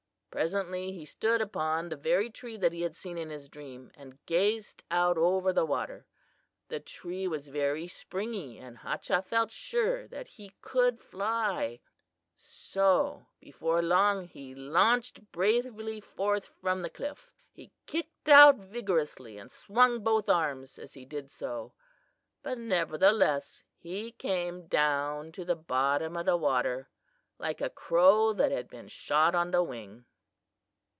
Presently he stood upon the very tree that he had seen in his dream, and gazed out over the water. The tree was very springy, and Hachah felt sure that he could fly; so before long he launched bravely forth from the cliff. He kicked out vigorously and swung both arms as he did so, but nevertheless he came down to the bottom of the water like a crow that had been shot on the wing."